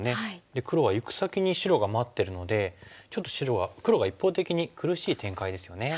黒はゆく先に白が待ってるのでちょっと黒が一方的に苦しい展開ですよね。